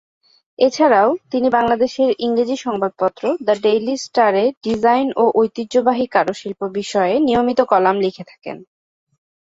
এছাড়াও, তিনি বাংলাদেশের ইংরেজি সংবাদপত্র "দ্য ডেইলি স্টার" এ ডিজাইন ও ঐতিহ্যবাহী কারুশিল্প বিষয়ে নিয়মিত কলাম লিখে থাকেন।